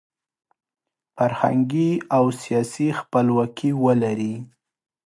فرهنګي او سیاسي خپلواکي ولري.